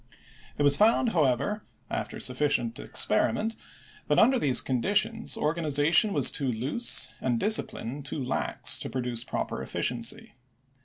It was found, however, after sufficient experiment, that under these conditions organization was too loose and discipline too lax to produce proper efficiency.